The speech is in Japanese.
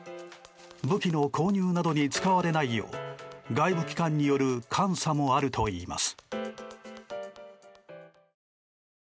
武器の購入などに使われないよう外部機関による監査もあるといいます。